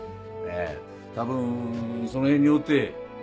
多分その辺におって。